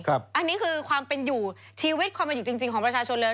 อันนี้คือความเป็นอยู่ชีวิตความเป็นอยู่จริงของประชาชนเลย